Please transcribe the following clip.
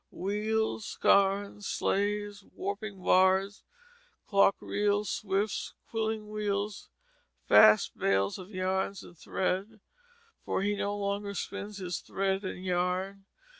Wheels, skarnes, sleys, warping bars, clock reels, swifts, quilling wheels, vast bales of yarns and thread for he no longer spins his thread and yarn.